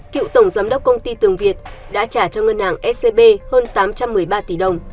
cựu tổng giám đốc công ty tường việt đã trả cho ngân hàng scb hơn tám trăm một mươi ba tỷ đồng